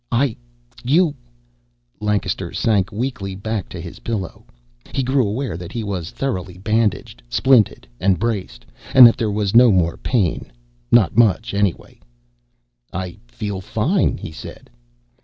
"I you " Lancaster sank weakly back to his pillow. He grew aware that he was thoroughly bandaged, splinted, and braced, and that there was no more pain. Not much, anyway. "I feel fine," he said.